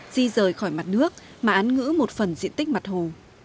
di rời khỏi mặt nước mà án ngữ một phần diện tích mặt hồ